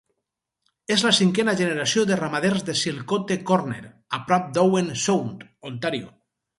És la cinquena generació de ramaders de Silcote Corner, a prop d'Owen Sound, Ontario.